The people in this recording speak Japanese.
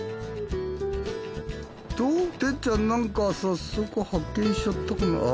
と哲ちゃん何か早速発見しちゃったかな？